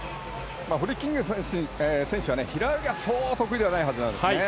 フリッキンガー選手は平泳ぎがそう得意ではないはずなんですね。